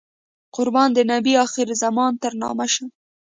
قربان د نبي اخر الزمان تر نامه شم.